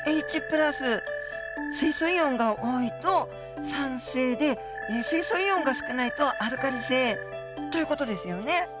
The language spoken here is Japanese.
Ｈ水素イオンが多いと酸性で水素イオンが少ないとアルカリ性という事ですよね。